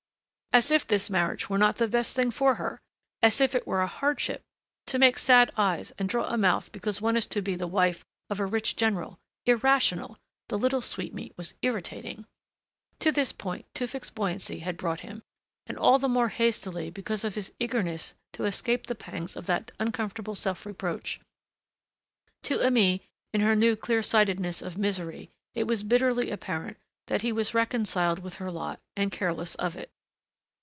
As if this marriage were not the best thing for her! As if it were a hardship! To make sad eyes and draw a mouth because one is to be the wife of a rich general.... Irrational ... The little sweetmeat was irritating. To this point Tewfick's buoyancy had brought him, and all the more hastily because of his eagerness to escape the pangs of that uncomfortable self reproach. To Aimée, in her new clear sightedness of misery, it was bitterly apparent that he was reconciled with her lot and careless of it.